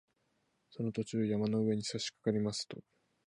その途中、山の上にさしかかりますと